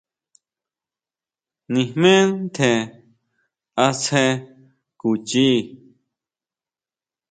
Nijmé ntjen asje kuchii.